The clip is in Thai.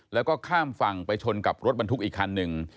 แล้วก็ข้ามฝั่งไปชนกับรถบรรทุกอีกคันหนึ่ง